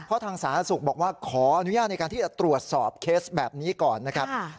เพราะทางสาธารณสุขบอกว่าขออนุญาตในการที่จะตรวจสอบเคสแบบนี้ก่อนนะครับ